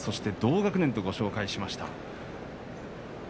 同学年とご紹介しました。